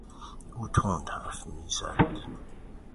او تند حرف میزد.